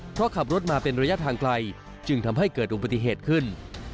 เพราะขับรถมาเป็นระยะทางไกลจึงทำให้เกิดอุบัติเหตุขึ้น